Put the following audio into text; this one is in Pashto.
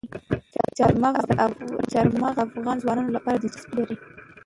چار مغز د افغان ځوانانو لپاره دلچسپي لري.